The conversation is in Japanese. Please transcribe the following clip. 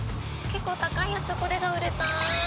結構、高いやつ、これが売れた。